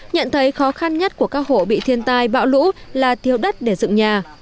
nhận thấy khó khăn nhất của các hộ bị thiên tai bạo lũ là tiêu đất để dựng nhà